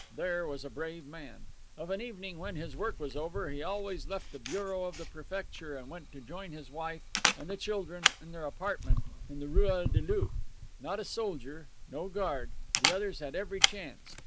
There was a brave man. Of an evening, when his work was over, he always left the bureau of the prefecture and went to join his wife and children in their apartment in the ruelle des Loups. Not a soldier! No guard! The others had every chance.